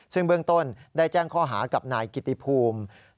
ซึ่งเบื้องต้นได้แจ้งข้อหากับนายกิติภูมิ